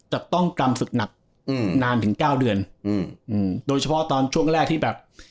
จะต้องกรรมศึกหนักนานถึง๙เดือนโดยเฉพาะตอนช่วงแรกที่แบบ